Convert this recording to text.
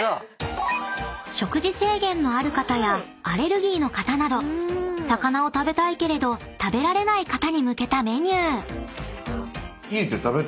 ［食事制限のある方やアレルギーの方など魚を食べたいけれど食べられない方に向けたメニュー］